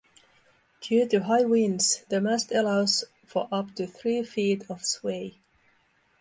Due to high winds, the mast allows for up to three feet of sway.